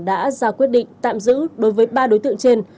đã ra quyết định tạm giữ đối với ba đối tượng trên